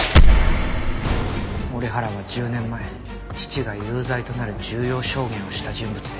折原は１０年前父が有罪となる重要証言をした人物でした。